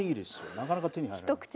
なかなか手に入らない。